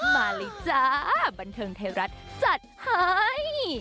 มาเลยจ้าบันเทิงไทยรัฐจัดให้